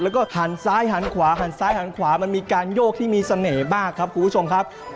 แล้วก็หันซ้ายหันขวามันมีการโยกที่มีเสน่ห์มากครับคุณผู้ชมครับ